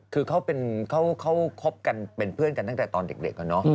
คือเขาเป็นเขาครบกันเป็นเพื่อนกันตั้งแต่ตอนเด็กเหรอเนอะ